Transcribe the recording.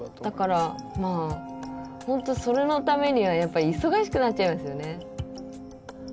だからまあほんとそれのためにはやっぱり忙しくなっちゃいますよね。